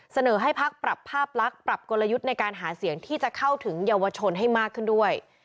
เสนอให้พักปรับภาพลักษณ์ปรับกลยุทธ์ในการหาเสียงที่จะเข้าถึงเยาวชนให้มากขึ้นด้วย